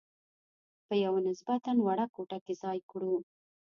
په یوه نسبتاً وړه کوټه کې ځای کړو.